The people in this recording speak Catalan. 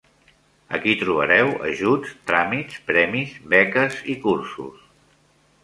Aquí trobareu ajuts, tràmits, premis, beques i cursos.